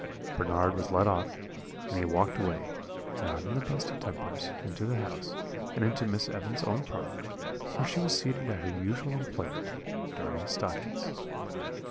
"Bernard was let off, and he walked away, not in the best of tempers, into the house, and into Miss Evans's own parlour, where she was seated at her usual employment, darning stockings.